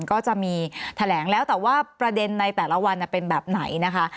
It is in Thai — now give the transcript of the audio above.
ก็จะมีแถลงแล้วแต่ว่าประเด็นในแต่ละวันเป็นแบบไหนนะคะ